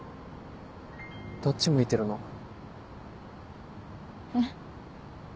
どっち向いてるの？え？